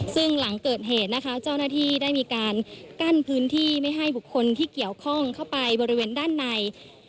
ซึ่งหลังเกิดเหตุนะคะเจ้าหน้าที่ได้มีการกั้นพื้นที่ไม่ให้บุคคลที่เกี่ยวข้องเข้าไปบริเวณด้านใน